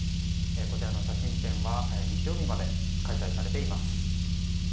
こちらの写真展は日曜日まで開催されています。